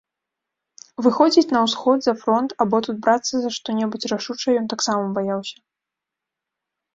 Выходзіць на ўсход за фронт або тут брацца за што-небудзь рашучае ён таксама баяўся.